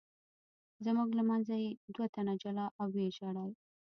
زموږ له منځه یې دوه تنه جلا او ویې وژل.